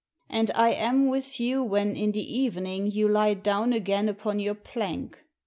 And I am with you when, in the evening, you lie down again upon your plank.